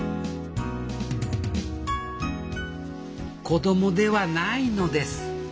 子供ではないのです。